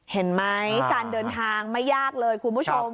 เห็นไหมการเดินทางไม่ยากเลยคุณผู้ชม